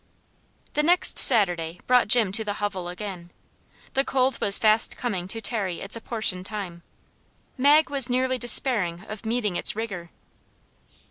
The next Saturday night brought Jim to the hovel again. The cold was fast coming to tarry its apportioned time. Mag was nearly despairing of meeting its rigor.